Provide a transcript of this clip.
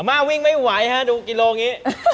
อ่าม่าวิ่งไม่ไหวดูกิโลเมตรนี้